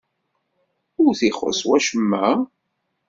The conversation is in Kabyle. Ur t-ixuṣṣ wacemma?